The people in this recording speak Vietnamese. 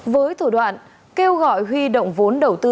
với thủ đoạn kêu gọi huy động vốn đầu tư